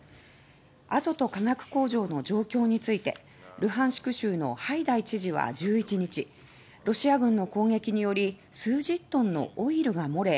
アゾト化学工場の状況についてルハンシク州のハイダイ知事は１１日ロシア軍の攻撃により数十トンのオイルが漏れ